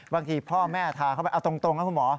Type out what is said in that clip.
บางทีพ่อแม่ทาเข้าไปเอาตรงครับคุณหมอ